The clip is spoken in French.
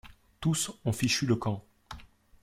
Tous ont fichu le camp.